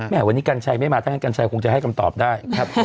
แม่วันนี้กัญชัยไม่มาท่านกัญชัยคงจะให้คำตอบได้ครับ